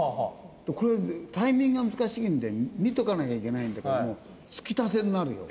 これタイミングが難しいんで見とかなきゃいけないんだけどもつきたてになるよ。